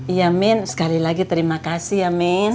ya min sekali lagi terima kasih ya min